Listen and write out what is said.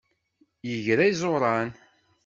Yegra iẓuran.